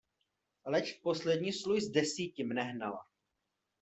Leč v poslední sluj z desíti mne hnala.